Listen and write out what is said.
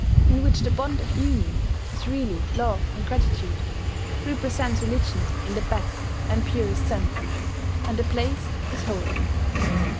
in which the bond of union is really love and gratitude, represents religion in the best and purest sense; and the place is holy